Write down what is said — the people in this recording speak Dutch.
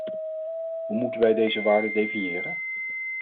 Hoe moeten wij deze waarde definiëren?